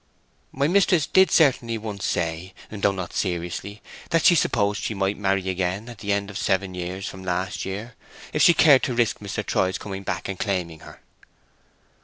"My mistress did certainly once say, though not seriously, that she supposed she might marry again at the end of seven years from last year, if she cared to risk Mr. Troy's coming back and claiming her."